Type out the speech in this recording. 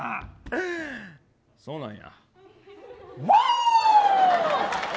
そうなんや。